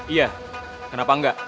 iya kenapa engga